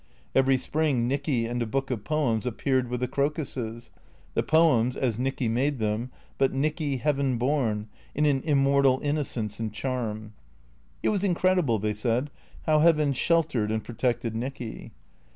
Every spring Nicky and a book of poems ap peared with the crocuses; the poems as Nicky made them, but Nicky heaven born, in an immortal innocence and charm. It was incredible, they said, how heaven sheltered and pro tected Nicky.